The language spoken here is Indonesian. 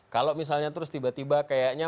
kalau misalnya terus tiba tiba kayaknya